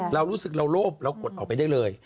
เรารู้สึกเราโลภเรากดออกไปได้เลย